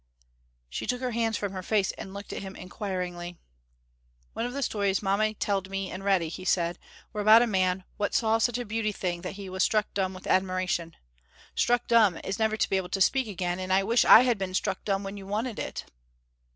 She took her hands from her face and looked at him inquiringly. "One of the stories mamma telled me and Reddy," he said, "were about a man what saw such a beauty thing that he was struck dumb with admiration. Struck dumb is never to be able to speak again, and I wish I had been struck dumb when you wanted it."